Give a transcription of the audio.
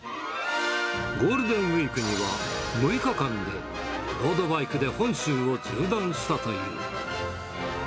ゴールデンウィークには６日間でロードバイクで本州を縦断したという。